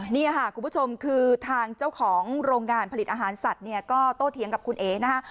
นี่ค่ะคุณผู้ชมคือทางเจ้าของโรงงานผลิตอาหารสัตว์เนี่ยก็โตเถียงกับคุณเอ๋นะคะ